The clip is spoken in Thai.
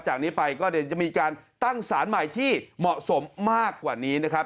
จากนี้ไปก็เดี๋ยวจะมีการตั้งสารใหม่ที่เหมาะสมมากกว่านี้นะครับ